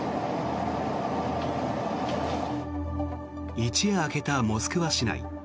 一夜明けたモスクワ市内。